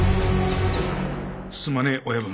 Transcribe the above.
すまねえ親分。